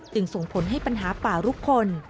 ส่งผลให้ปัญหาป่าลุกคน